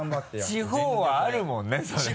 地方はあるもんねそれね。